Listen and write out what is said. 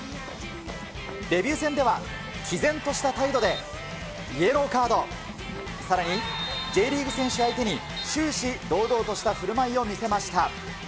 デビュー戦では、きぜんとした態度でイエローカード、さらに、Ｊリーグ選手相手に、終始、堂々としたふるまいを見せました。